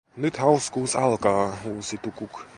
"Nyt hauskuus alkaa!", huusi Tukuk.